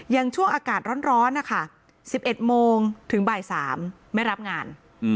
ช่วงอากาศร้อนนะคะ๑๑โมงถึงบ่าย๓ไม่รับงาน